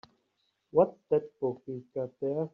What's that book you've got there?